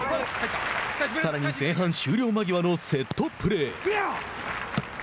さらに前半終了間際のセットプレー。